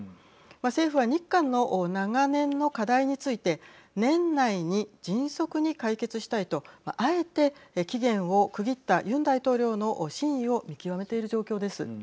政府は日韓の長年の課題について年内に迅速に解決したいとあえて期限を区切ったユン大統領の真意を見極めている状況です。